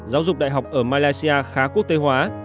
giáo dục đại học ở malaysia khá quốc tế hóa